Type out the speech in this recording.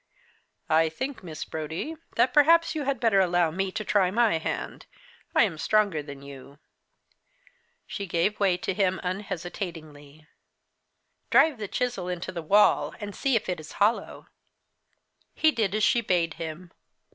"I think, Miss Brodie, that perhaps you had better allow me to try my hand. I am stronger than you." She gave way to him unhesitatingly. "Drive the chisel into the wall and see if it is hollow." He did as she bade him.